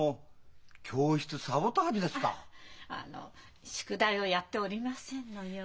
あの宿題をやっておりませんのよ。